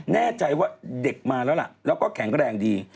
แน่ใจว่าเด็กมาแล้วล่ะแล้วก็แข็งแรงดี